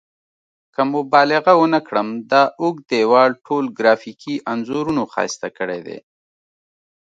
که مبالغه ونه کړم دا اوږد دیوال ټول ګرافیکي انځورونو ښایسته کړی دی.